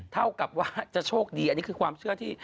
เท่ากับว่าจะโชคดีอันนี้คือความเชื่อที่